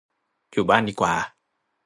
อยู่บ้านดีกว่า